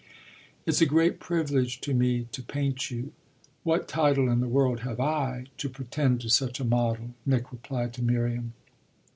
"It's a great privilege to me to paint you: what title in the world have I to pretend to such a model?" Nick replied to Miriam.